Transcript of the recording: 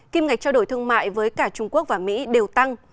kim ngạch trao đổi thương mại với cả trung quốc và mỹ đều tăng